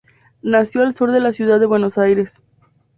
Nació al sur de la Ciudad de Buenos Aires.